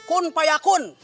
kun payah kun